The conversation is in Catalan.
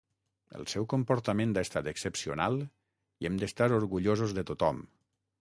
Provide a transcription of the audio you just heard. El seu comportament ha estat excepcional i hem d’estar orgullosos de tothom.